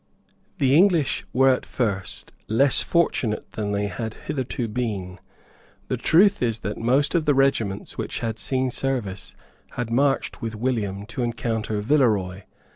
The English were at first less fortunate than they had hitherto been. The truth is that most of the regiments which had seen service had marched with William to encounter Villeroy.